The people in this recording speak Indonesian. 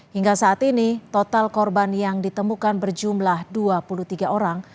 hingga saat ini total korban yang ditemukan berjumlah dua puluh tiga orang